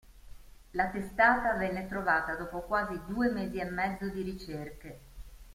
La testata venne trovata dopo quasi due mesi e mezzo di ricerche.